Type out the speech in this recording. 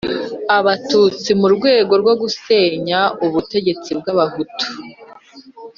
batutsi mu rwego rwo gusebya ubutegetsi bw'abahutu